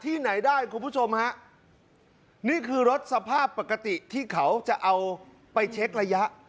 ที่ไหนได้ครับคุณผู้ชมนี่คือลดสภาพปกติที่เขาจะเอาไปเช็คระยะ